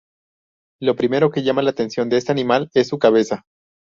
Lo primero que llama la atención de este animal es su cabeza.